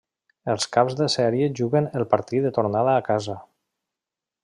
Els caps de sèrie juguen el partit de tornada a casa.